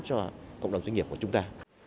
cho cộng đồng doanh nghiệp của chúng ta